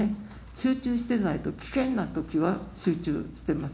集中してないと、危険なときは集中してます。